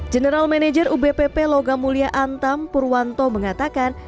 general manager ubpp logam mulia antam purwanto mengatakan